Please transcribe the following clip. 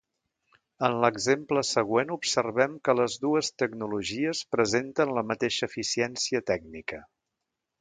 En l'exemple següent observem que les dues tecnologies presenten la mateixa eficiència tècnica.